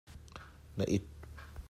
Na it.